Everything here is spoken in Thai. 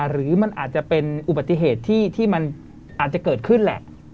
หรือมันอาจจะเป็นอุบัติเหตุที่มันอาจจะเกิดขึ้นแหละ